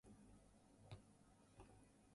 He was a mentor to future President James K. Polk.